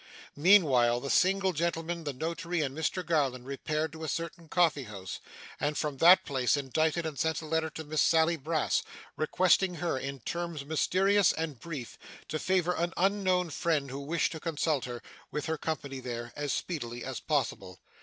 Meanwhile, the single gentleman, the Notary, and Mr Garland, repaired to a certain coffee house, and from that place indited and sent a letter to Miss Sally Brass, requesting her, in terms mysterious and brief, to favour an unknown friend who wished to consult her, with her company there, as speedily as possible.